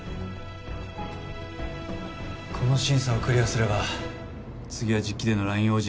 この審査をクリアすれば次は実機でのラインＯＪＴか。